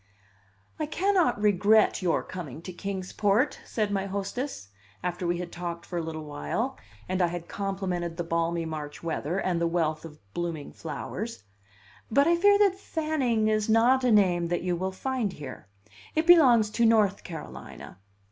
"I cannot regret your coming to Kings Port," said my hostess, after we had talked for a little while, and I had complimented the balmy March weather and the wealth of blooming flowers; "but I fear that Fanning is not a name that you will find here. It belongs to North Carolina."